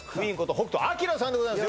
北斗晶さんでございます